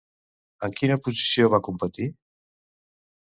En quina posició va competir?